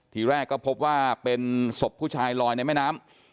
ทีแรกก็พบว่าเป็นศพผู้ชายลอยในแม่น้ำ